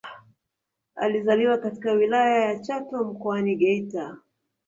Alizaliwa katika Wilaya ya Chato Mkoani Geita